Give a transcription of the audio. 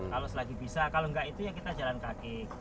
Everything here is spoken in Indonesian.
kalau selagi bisa kalau nggak itu ya kita jalan kaki